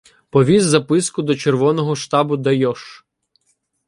Повіз записку до червоного штабу Дайош.